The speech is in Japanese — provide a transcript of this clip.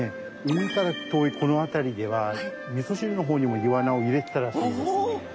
海から遠いこの辺りではみそ汁の方にもイワナを入れてたらしいですね。